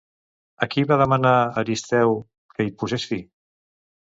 A qui va demanar Euristeu que hi posés fi?